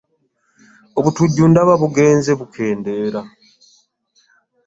Obutujju ndaba bugenze bukendeera.